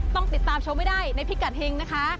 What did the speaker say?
ต้องติดตามชมให้ได้ในพิกัดเฮงนะคะ